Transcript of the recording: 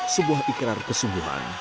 sebuah ikrar kesungguhan